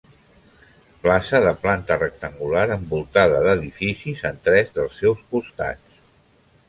Plaça de planta rectangular envoltada d'edificis en tres dels seus costats.